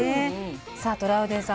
さあトラウデンさん